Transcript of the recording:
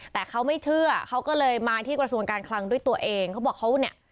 แต่เขาไม่เชื่อเขาก็เลยมาที่กระทรวงการคลังด้วยตัวเองเขาบอกเขาเนี่ย